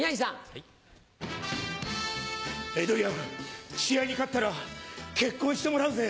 はい。エイドリアン試合に勝ったら結婚してもらうぜ！